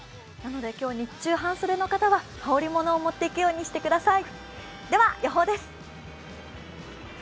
日中半袖の方は、羽織りものを持っていくようにしてください。